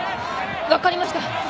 分かりました。